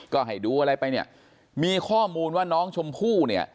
ก็ให้ดูอะไรไปเนี่ยมีข้อมูลว่าน้องชมพู่เนี่ย